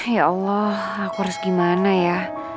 ya allah aku harus gimana ya